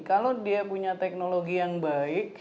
kalau dia punya teknologi yang baik